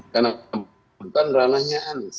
karena kebukuan ranahnya anis